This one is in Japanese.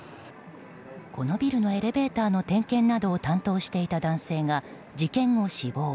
このビルのエレベーターの点検などを担当していた男性が事件後、死亡。